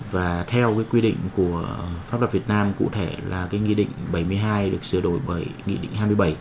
và theo cái quy định của pháp luật việt nam cụ thể là cái nghị định bảy mươi hai được sửa đổi bởi nghị định hai mươi bảy